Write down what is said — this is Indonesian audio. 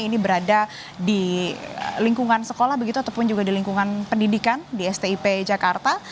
ini berada di lingkungan sekolah begitu ataupun juga di lingkungan pendidikan di stip jakarta